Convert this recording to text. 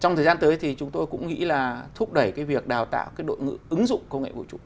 trong thời gian tới thì chúng tôi cũng nghĩ là thúc đẩy việc đào tạo đội ngữ ứng dụng công nghệ vũ trụ